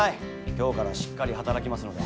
今日からしっかり働きますので。